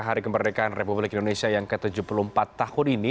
hari kemerdekaan republik indonesia yang ke tujuh puluh empat tahun ini